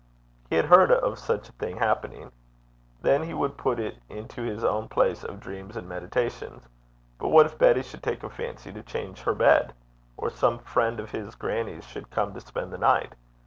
He had heard of such a thing happening. Then he would put it into his own place of dreams and meditations. But what if Betty should take a fancy to change her bed? or some friend of his grannie's should come to spend the night?